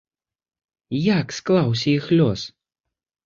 Як склаўся іх лёс?